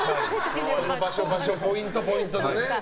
場所、場所ポイント、ポイントでね。